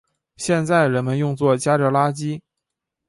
现在人们用作夹着垃圾。